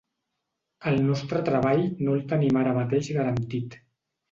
El nostre treball no el tenim ara mateix garantit.